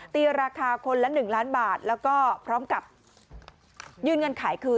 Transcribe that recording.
ตีราคาคนละ๑ล้านบาทแล้วก็พร้อมกับยืนเงินขายคือ